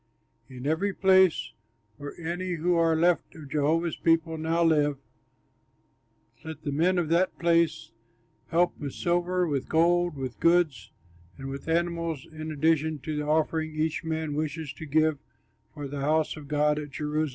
In every place where any who are left of Jehovah's people now live, let the men of that place help with silver, with gold, with goods, and with animals, in addition to the offering each man wishes to give for the house of God at Jerusalem.'"